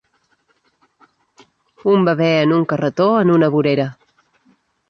Un bebè en un carretó en una vorera.